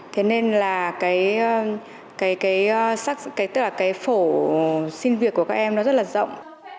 thế nên là cái phổ sinh việc của các em nó rất là rộng